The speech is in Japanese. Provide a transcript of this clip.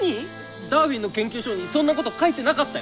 ダーウィンの研究書にそんなこと書いてなかったよ！